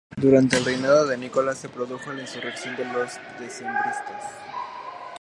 Durante el reinado de Nicolás se produjo la insurrección de los decembristas.